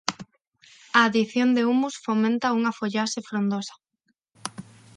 A adición de humus fomenta unha follaxe frondosa.